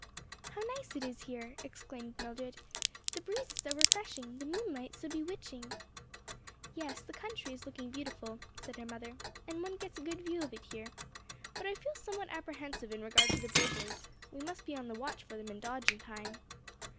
"How nice it is here!" exclaimed Mildred, "the breeze is so refreshing, the moonlight so bewitching!" "Yes, the country is looking beautiful," said her mother, "and one gets a good view of it here; but I feel somewhat apprehensive in regard to the bridges. We must be on the watch for them and dodge in time."